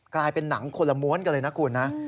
กลายเป็นหนังคนละม้วนกันเลยนะคุณนะ